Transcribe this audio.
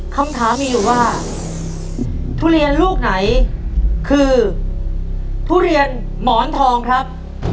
คำถามมีอยู่ว่าทุเรียนลูกไหนคือทุเรียนหมอนทองครับ